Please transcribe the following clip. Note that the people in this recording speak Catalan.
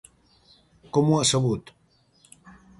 Com ho ha sabut?